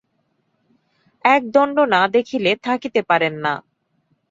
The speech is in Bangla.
এক দণ্ড না দেখিলে থাকিতে পারেন না।